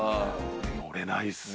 ノれないですね。